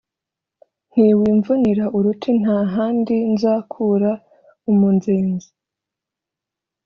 Nti: Wimvunira uruti nta handi nzakura umunzenzi;